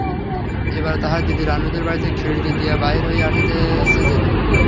এবার তাহার দিদি রানুদের বাড়ির খিড়কি দিয়া বাহির হইয়া আসিতেছে যেন।